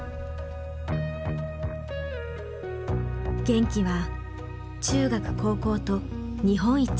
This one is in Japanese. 玄暉は中学高校と日本一。